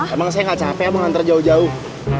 emang saya gak capek mau nganter jauh jauh